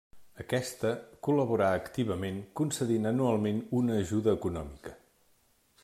Aquesta col·laborà activament concedint anualment una ajuda econòmica.